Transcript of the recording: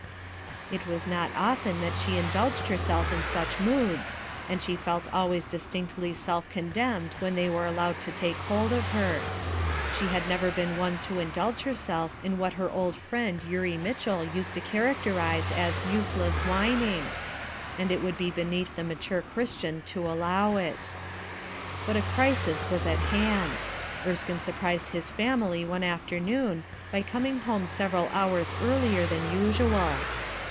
It was not often that she indulged herself in such moods, and she felt always distinctly self condemned when they were allowed to take hold of her. She had never been one to indulge herself in what her old friend Eurie Mitchell used to characterize as "useless whining"; and it would be beneath the mature Christian to allow it. But a crisis was at hand. Erskine surprised A CRISIS 327 his family one afternoon by coming home sev eral hours earlier than usual.